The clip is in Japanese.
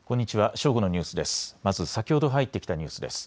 正午のニュースです。